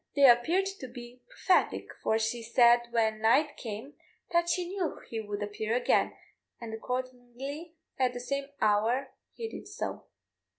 They appeared to be prophetic, for she said when night came that she knew he would appear again; and accordingly at the same hour he did so.